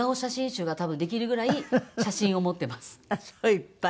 いっぱい。